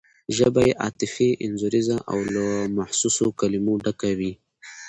ژبه یې عاطفي انځوریزه او له محسوسو کلمو ډکه وي.